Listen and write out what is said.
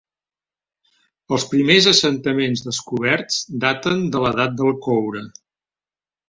Els primers assentaments descoberts daten de l'edat del coure.